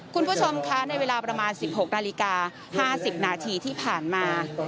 คุณผู้ชมคะในเวลาประมาณ๑๖นาฬิกา๕๐นาทีที่ผ่านมา